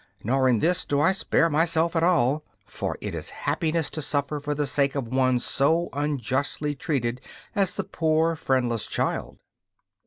Nor in this do I spare myself at all, for it is happiness to suffer for the sake of one so unjustly treated as the poor friendless child.